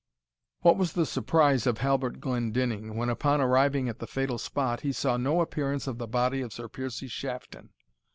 What was the surprise of Halbert Glendinning, when, upon arriving at the fatal spot, he saw no appearance of the body of Sir Piercie Shafton!